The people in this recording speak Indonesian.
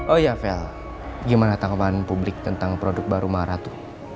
oh ya fel gimana tanggapan publik tentang produk baru marath